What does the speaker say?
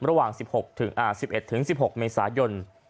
ระหว่าง๑๑๑๖เมษายน